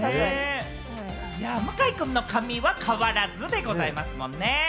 向井くんの髪は変わらずでございますもんね。